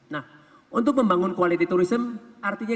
nah untuk membangun quality tourism artinya kita harus memiliki kualitas turisme